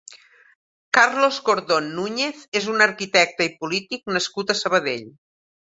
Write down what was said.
Carlos Cordón Núñez és un arquitecte i polític nascut a Sabadell.